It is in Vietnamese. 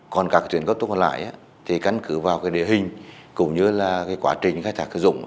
còn các tuyến cao tốc còn lại thì căn cứ vào địa hình cũng như là quá trình khai thác cơ dụng